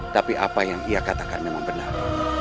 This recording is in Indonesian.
tapi apa yang ia katakan memang benar